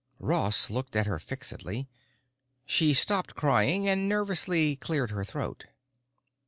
Ross looked at her fixedly. She stopped crying and nervously cleared her throat.